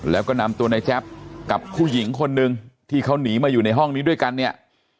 แล้วก็นำตัวในแจ๊บกับผู้หญิงคนนึงที่เขาหนีมาอยู่ในห้องนี้ด้วยกันเนี่ย